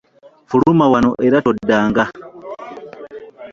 Ffuluma wano era toddanga.